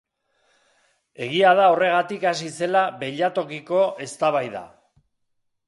Egia da horregatik hasi zela beilatokiko eztabaida.